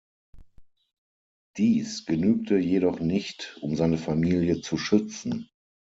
Dies genügte jedoch nicht, um seine Familie zu schützen.